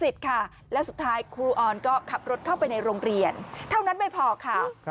เท่านั้นไม่พอค่ะ